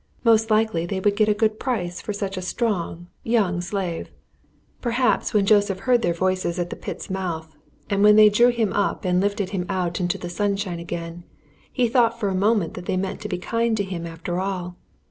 Most likely they would get a good price for such a strong young slave. [Illustration: They hurried him towards the pit.] Perhaps when Joseph heard their voices at the pit's mouth, and when they drew him up and lifted him out into the sunshine again, he thought for a moment that they meant to be kind to him after all.